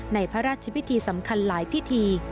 ในพระราชพิธีสำคัญหลายพิธี